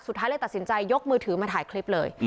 สุดท้ายเลยตัดสินใจยกมือถือมาถ่ายคลิปเลย